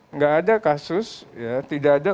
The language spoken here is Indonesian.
nggak ada kasus ya tidak ada